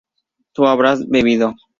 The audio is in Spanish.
tu habrás bebido